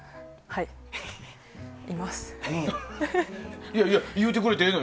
はい。